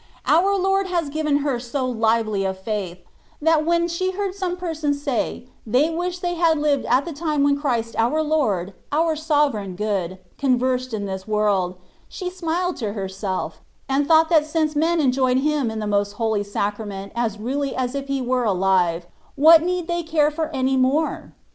Our Lord had given her so lively a faith, that when she heard some persons say they wished they had lived at the time when Christ our Lord (our Sovereign Good) conversed in this world, she smiled to herself, and thought that since men en joyed Him in the most Holy Sacrament as really as if He were alive, what need they care for any more